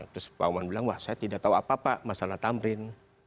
terus pak oman bilang wah saya tidak tahu apa apa masalah tamrin